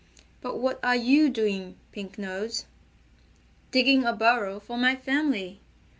But what are you doing, Pink Nose?" "Digging a burrow for my family.